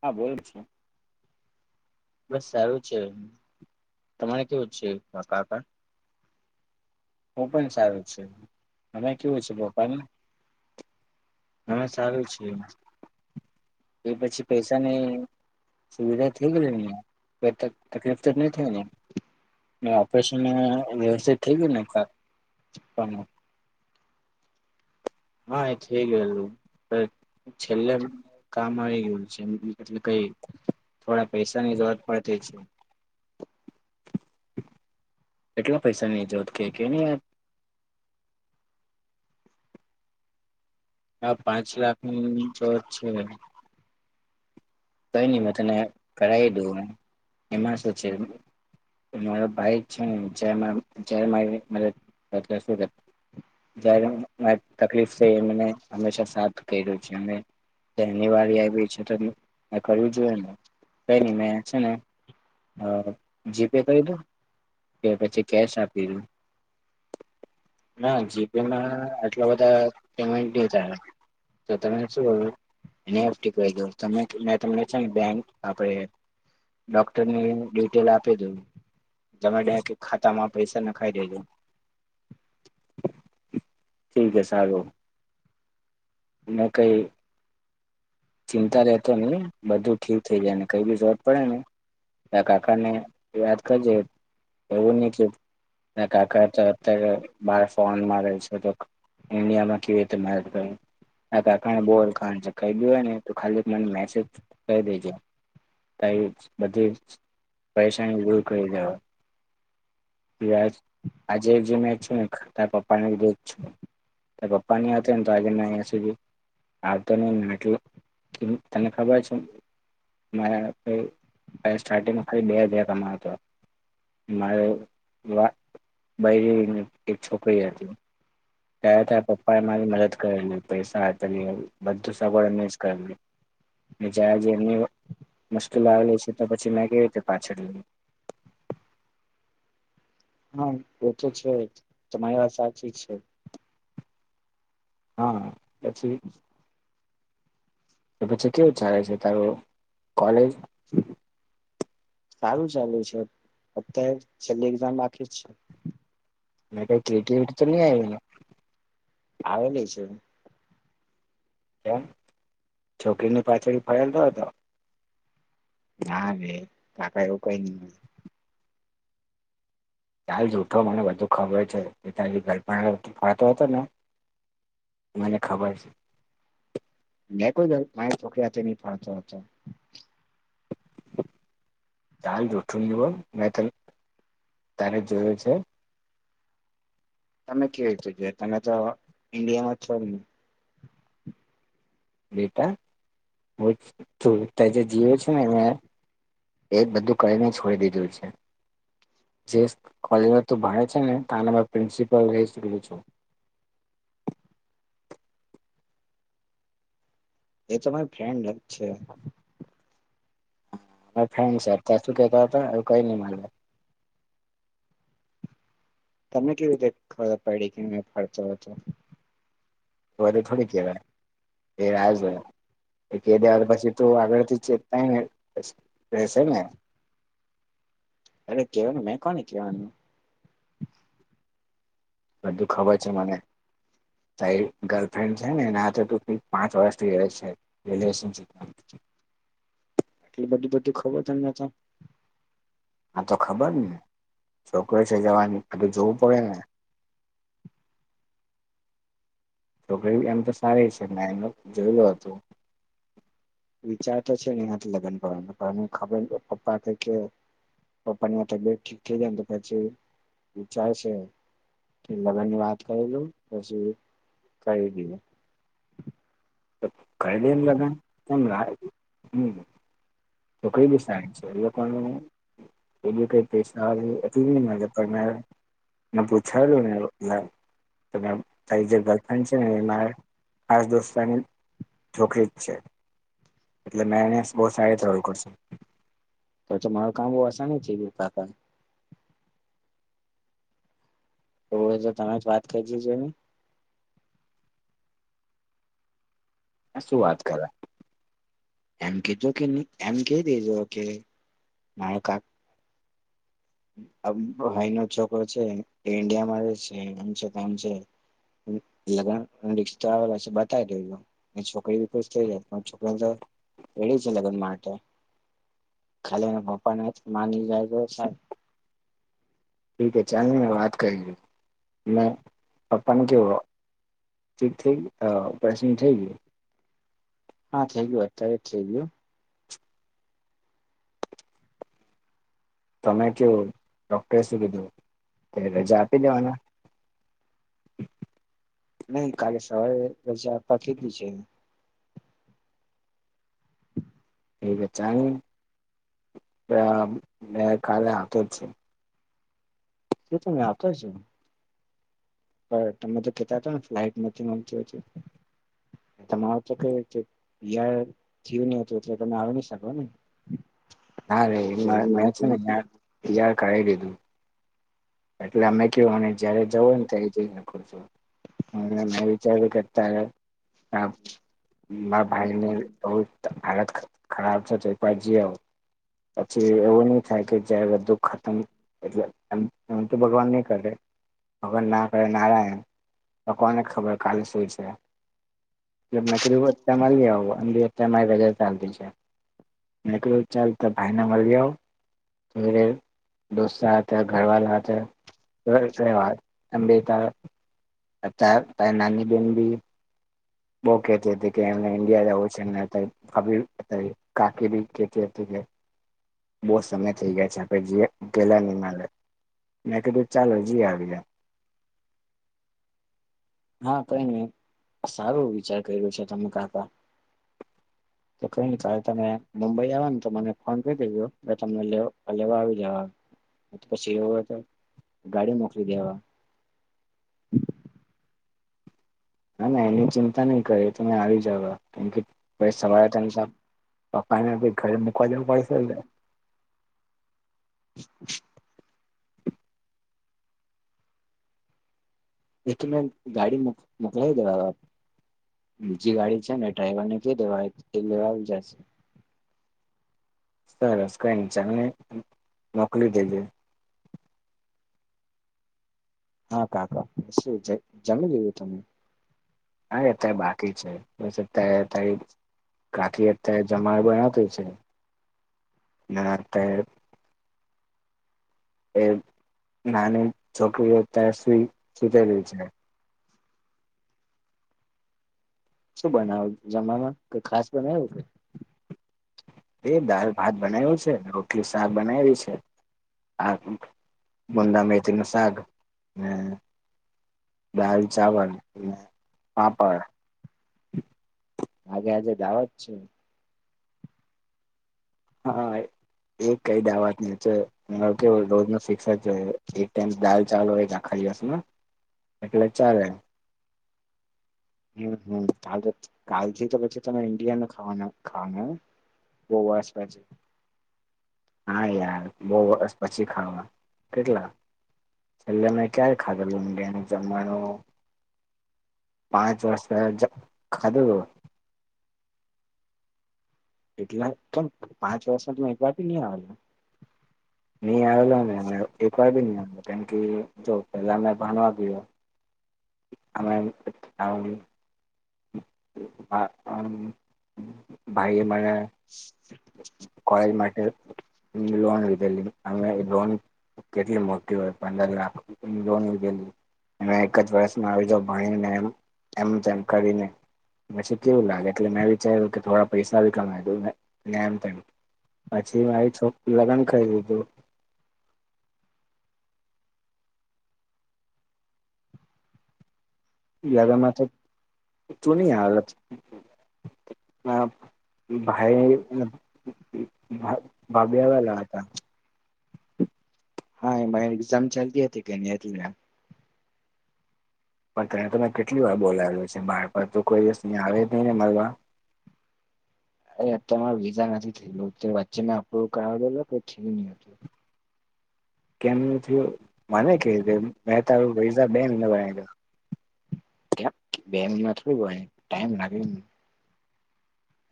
હા બોલ છ બસ સારું છે. તમને કેવું છે. તોપણ સારું છે હવે કેવું છે બપન હવે સારું છીએ એ પછી પૈસા નહી- સુવિધા થઈ ગેલી ને તકલીફ તો નહી થઈ ને ઓપરેશનની વ્યવાય થઈ ગ ને હા એ થઈ ગેલુ છેલ્લે કામ આવી ગયું છે એટલે કઈ થોડા પૈસાની જરૂરત પડતી છે. કેટલા પૈસા નહી જરૂરત છે કે ને યાર હા પાંચ લાખની ચોચ છે કઈ નહી મે તને કરાવી દઉ એમ એમાં શું છે. મારો ભાઈ છે ને જે જ મારી મ શું જ્યારે તકલીફ છે એ મને હંમેશા સાથ કર્યો છે. અ તેની વાળ આવી છે તો મે કર્યું જોએ ને કઈ ન મેં છે ને અ જીપે કરી દવ કે પછી કેશ આપી દઉ. હા જીપેમાં આટલા બધા પેમેન્ટ લેતા. તો તમે શું કરું મે તમે મે તમને શ આપ ડોક્ટરને ડીટેલ આપી દધ તમે ડ તો ખાતામાં પૈસા મુકાઈ દેજો ઠીક હ છે હો ન કોઈ ચિંતા લેતો નઈ બધું ઠીક થઈ જાય ને કઈ બી જોર પડે ને તારા કાકાને યાદ કરજે એવું ની કે તારા કાકા તો અત્યારે બાર ફોનમાં રહી છે તો ઇન્ડિયામાં કેવી રીતે વાત કરું તારા કાકા ના બો કાંડ છે જોય ને તો ખાલી મને મેસેજ કહી દેજે તારી બધી પરેશાની દૂર કરી દેવા બસ આજે જે મેં છું ને ખાતા પપ્પાને રે જ છું પપ્પા નીં ને તો આજે અં સુધી આવતો નહી એટલે તને ખબર છે. મારા સ્ટાર્ટિંગ ખાલી બે હજાર કમાતો મારે વા બરીને એક છોકરી હતી ત્યારે ત્યારે પપ્પા એ મારી મદદ કરે ને પૈસા આપને બધું સગવડ એને જ કરે જ્યારે એમની મુશ્કેલી આવેલી છે તો પછી મેં કેવી રીતે પાછળ [inaudible] હા એ તો છે જ તમારી વાત સાચી છે. હા. [inaudible] તો પછી કેવું ચાલે છે તારું કોલેજ. સારું ચલેુ છે અત્યારે છેલ્લી એક્ઝામ બાકી છે. એ કઈ ક્રિએટિવિટી તો નહી આવીને. આવેલી છે. કેમ છોકરીની પાછળ ફરલ તો હતો. ના ભ કાકા એવું કઈ ન ચાલ જુઠો મને બધું ખબર છે તારે ગર્લફ્રેન્ડ હારું ફતો હતો ને. મને ખબર છે. મે કોઈ ગર્લ મારી છોકરી હાથે નહી ફારતો હતો. ચાલ જૂઠું ની બોલ મે તને અત્યરે જોયો છે તમે કેવી રીતે [unintelligible] તમે તો ઈન્ડિયામાં છો ને. બેટા હું તું ત જે જીઓ છે ને એ. એક બધું કરીને છોડી દીધું છે. જે કોલેજમાં તું ભાણે છે ને તંનામાં પ્રિન્સિપલ રહી શૂકેલું છું. [inaudible] એ તો મારી ફ્રેન્ડ જ છે. ફ ત્યા શું કેતા હતા એ કઈ નઈ મળ તમને કેવી રીતે ખબર પડી કે મે ફરતો હતો. [unintelligible] એ [unintelligible] કે દ પછી તો આગળથી ચેતાય ને રહેશે ને. અરે કેવાનું મે કોની કેવાનું. બધું ખબર છે મને. તારી ગર્લફ્રેન્ડ છે ને એના હાથે પાંચ વર્ષથી રે છે રિલેશનશીપ. [inaudible] એટલે બધું બધું ખબર છેને તો. આા તો ખબર ને છોકરો છે જવાની કધું જોવું પડે ને. [inaudible] છોકરી એમ તો સારી છે મે એનો જોયલો હતું. વિચાર તો છે એની હાથે લગ્ન કરવાનો પણને ખબર પપ્પા કે. પપ્પા ની આ તબિયત ઠીક થઈ જાય ને તો પછી ચાલ છે. લગ્ન ની વાત કરેલું પછી. થય ગયું તો કરી દેને લગ્ન કોની રાહ હમ્મ તો કઈ [unintelligible] એ કઈ [unintelligible] પૂછાયેલું ને તારી જે ગફ્રેન્ડ છે ને એ [unintelligible] એટલે મે એને બહુ સારી રીતે ઓળખું છુ તો તો મારું કામ બહ આસાની [unintelligible] તો તો તમે જ વાત કરી જોજેની શું વાત કર. એમ કેહી દેજો કે [unintelligible] ભાઈ નો છોકરો છે એ ઈન્ડિયા માં રહે છે. શ તમ છે લગા રિકષ તો આવે બતાવી દે છોકરીી ખુશ થઈ જાય પણ છોકરીને તો. એજ છે લગ્ન માટે ખાલી એ પપ્પા માની જાય તો સાહે ઠીકે ચાલને મેં વાત કરી મેં પપન કે ઠીક થઈ ગય ઓપરેશન થઈ ગય હા થઈ ગયું અત્યારે જ થઇ ગયું. તમે કવું ડોક્ટરે શું કીધું રજા આપી દેવાના. એ ચ મે કાલે હાથ જ છે શું તમે આપો છો. પણ તમે તો કેતા હતા ને ફ્લાઇટમાં હચ હો તમારે તો કેવું છે એટલે તમે આવી નહી શકો ને ના રે એ મે ને [inaudible] ર કર લીધું એટલે અમે કેવું અને જયારે જવો ને ત્યારે જઈ‌ શકો‌ છો. હ ન વિચારું કરતા હા મારા ભાઈને બવ હાલત ખરાબ છે તે પછી પછી એવું નહી થાય કે જ બધું ખતમ એટલે તુ ભગવાન નહી કરે ભગવાન ના કરે નારાયણ ભગવાને ખબર કાલે શું હશે. ન અત્યારે મારી અી અત મારી ચાલતી છે ચાલ તો ભાઈને મળી આવ રે દોસ્તાર હતા, ઘરવાલા હતા વાત અંબતા હત નાની બેેન ભી બઉ કેતી હતી કે એમને ઇન્ડિયા જવું છે કાકી કેતી હતી કે બહ સમય થઈ ગયા છે આપે જે ઉકેેલા નહી માલે મેં કીધું ચાલો જી આપીએ. હા કઈ નહી સારું વિચાર કર્યો છે તમે કાકા તો કઈ ને કવે તમે મુંબઈ આવોને તો મને ફોન કરી દેજો. લેવા આવી જ પછી એવું તો ગાડી મોકલી દેવા હા ના એની ચિંતા નહી કરી તમે આવી જાવ કેમ કે સવારે ત પપ્પાને ભી ઘરે મુકવા જવું પડશે એટલે [unintelligible] [inaudible] એક મે ગાડી મોકલાઈ દવા બીજી ગાડી છે ને ડ્રાઈવર ને કઇ દેવાય તે લેવા આવી જશે. સરસ‌ કઇ નઇ ચલને મોકલી દેજે હા કાકા જમી લિધુ તને હા અત્યારે બાકી છે બસ અત્યારે અત્યારે કાકી અત્યારે જમાડવા આવે છે એ અત્યારે એ નાની છોકરીઓ ત્યાં સુઈ સુતેલી છે. શું બનાવુ જમવામાં કઇ ખાસ બનાવુ કે એ દાલ ભાત બનાયું છે, રોટલી શાક બનાવી છે‌. આ ગુદા મેથીનો શાક હ દાલ ચાવલ, પાપડ, આજે આજે જાવા જ છે. હા એક કઈ દા વાત ન કે રોજ ન શિક્ષક જ જો એક ટાઈમ દાલ ચાવલ હોય આખા એકલે ચાર હમ હમ કાલ કાલથી તો પછી તમે ઈન્ડિયાનું ખાવાના ખાવાનું બહ વાસ પ છે હા યાર બહું વર્ષ પછી ખાવા કેટલા છેલ્લે મેં ક્યારે ખાધેલું ન્યાનું જમવાનું પાંચ વર્ષ પહેલા જ ખાધું. એટલા કેમ પાંચ વર્ષમાં તમેં એક વાર બી નહી આવેલા. નહી આવેલો ન એકવાર બી ન આવેલો કેમ કે જો પેલા મે ભણવા ગયો અમે. [unintelligible] [unintelligible] ભાઈ મારા કોલેજ માટે લોન લીધેલી અમે લોન કેટલી મોટી હોય પંદર લાખરૂપિયાની લોન લીધેલી. મે એક જ વર્ષમાં આવી જાઉં ભણીને એ એમ તેમ કરીને. પછી કેવું લાગે એટલે મેં વિચાર્યું કે થોડા પૈસા ભી કમાય દઉ એમ તેમ પછી મારી છોક લગન કરી દીધું. લગામાં તો ચુંની હાલત આ ભાઈ ને ભાભી આવેલા હતા. હા એ મા એક્ઝામ ચાલતી હતી એમને એટલે. પણ ત્યાં તને કેટલી વાર બોલાયલ છે બાર તો કોઈ દિવસ નહી આવે જ નહી ને મલવા. [inaudible] અરે અત્યારે મારુ વિઝા નથી થયેલુ વચ્ચે મે અપ્રુવ કરાવવા ગયેલો કે તો થિયું ની હતું. કેમ ની થિયું મને કઈ દે મે તારો વિઝા બે મહિને લગાઈ દઉં. કેમ બે મઇના થોડું હોય ટાઈમ લાગે ને.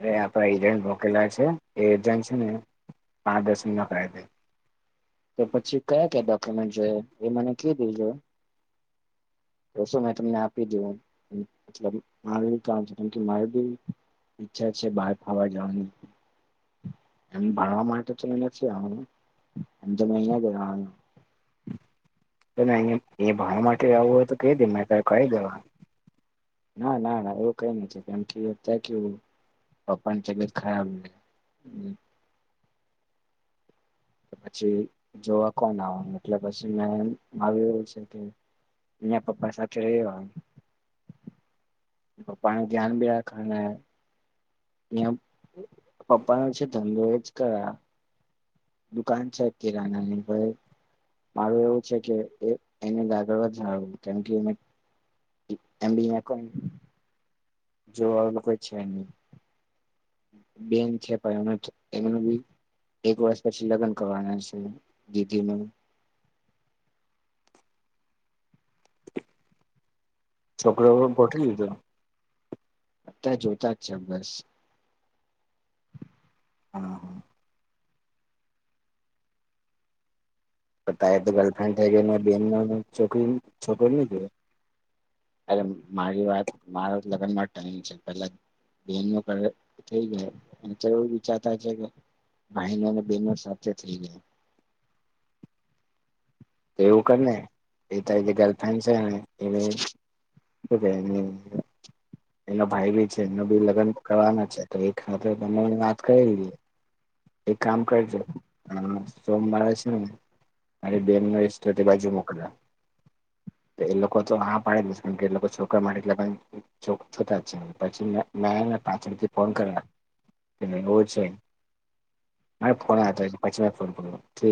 અરે આપણા એજન્ટ રોકેલા છે એ એજન્ટ છે ને પા દસ મહિના કાયદે તો પછી કયા-કયા ડોક્યુમેન્ટ જોયે એ મને કઈ દેજો. [inaudible] તો શું મેં તમને આપી દેવું મતલબ મારે બી કામ છે. કેમ કે મારે બી ઈચ્છા છે બાર ખાવા જવાની. એમ ભણવા માટે તો નથી આવનો એમ મે અહિયા જ રેવાનો. તને અહીં એ ભાર માટે આવવું હોય તો કઈ દે મે તને કહી દેવા. ના ના ના એવું કઈ નથી કેમ કે અત્યાર કેવું પપ્પાની તબિયત ખરાબ એટલે. પછી જોવા કોણ આવનું એટલે પછી મેં મારું એવુ છે કે મે પપ્પા સાથે રહ્યો. પપ્પાનું ધ્યાન બી રાખું ને ન્યાં પપ્પાનો છે ધંધો એજ કરા. દુકાન છે કિરાણાની ભાઈ મારું એવું છે કે એ એને લાગળવા જવું કેમ કે એને એમ બી મે કો જો હવે તો કોઈ છે નહી. બેન છે પણ એ એમનું બી એક વર્ષ પછી લગ્ન કરવાના છે દીધીનુ. [inaudible] છોકરો ગોતી લીધો? અત્યારે જોતા જ છે બસ. પણ તારે તો ગર્લફ્રેન્ડ થઈ ગઈ ને બેનનો છોકરી છોકરો નહી જોયો. અરે મારી વાત મારા લગ્ન માટેની છે પેલા બેનનુ લગન થઈ જાય પછી એવું વિચારતા છે કે ભાઈનો અને બહેનનો સાથે થઈ જાય. તો એવું કર ને એ તારી જે ગર્લફ્રેન્ડ છેને એને. [unintelligible] એનો ભાઈ બી છે, એનું બી લગન કરવાનો છે, તો એક હાથે બંનેની વાત કરી લઈએ. એક કામ કરજો અ સોમવારે છે ને મારી બેન મારી સાથે તો તે બાજુ મોકલા. એ લોકો તો હા પાડે જ કેમ કે એ લોકો સોકરા માટે એટલે પણ [unintelligible] છતા છે પછી મેં, એને પાછળથી ફોન કર્યા. એટલે એવુ છે, મારે ફોન આવે છે પછી વાત કરું [unintelligible]